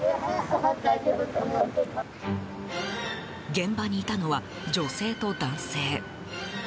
現場にいたのは、女性と男性。